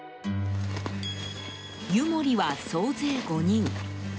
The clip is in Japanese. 湯守は総勢５人。